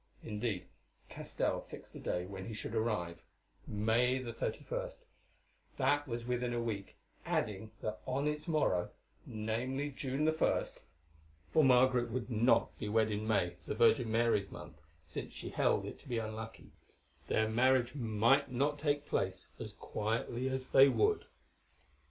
Indeed, Castell fixed a day when he should arrive—May 31st—that was within a week, adding that on its morrow—namely, June 1st, for Margaret would not be wed in May, the Virgin Mary's month, since she held it to be unlucky—their marriage might take place as quietly as they would.